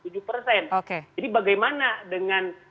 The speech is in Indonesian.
jadi bagaimana dengan